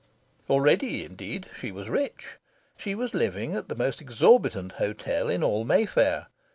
Already, indeed, she was rich. She was living at the most exorbitant hotel in all Mayfair.